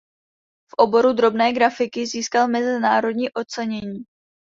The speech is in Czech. V oboru drobné grafiky získal mezinárodní ocenění.